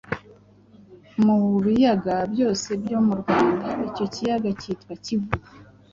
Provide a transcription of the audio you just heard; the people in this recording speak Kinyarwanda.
mu biyaga byose byo mu Rwanda, icyo kiyaga kitwa Kivu.